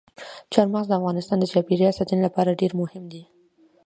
چار مغز د افغانستان د چاپیریال ساتنې لپاره ډېر مهم دي.